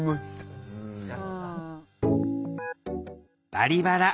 「バリバラ」。